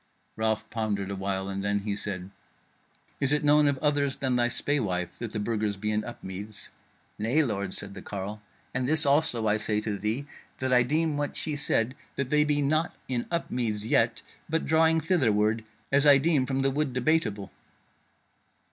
Ralph pondered a while, and then he said: "Is it known of others than thy spaewife that the Burgers be in Upmeads?" "Nay, lord," said the carle, "and this also I say to thee, that I deem what she said that they be not in Upmeads yet, and but drawing thitherward, as I deem from the Wood Debateable."